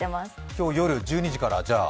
今日夜、１２時から？